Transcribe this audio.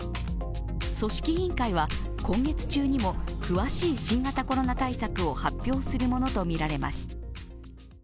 組織委員会は今月中にも詳しい新型コロナ対策を発表するものとみられます。